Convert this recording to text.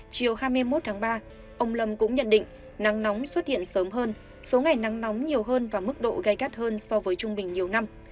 chiều hai mươi một tháng ba ông lâm cũng nhận định nắng nóng xuất hiện sớm hơn số ngày nắng nóng nhiều hơn và mức độ gai gắt hơn so với trung bình nhiều năm